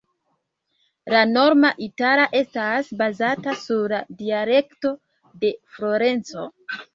La norma itala estas bazata sur la dialekto de Florenco.